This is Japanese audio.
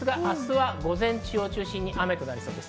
明日は午前中を中心に雨となりそうです。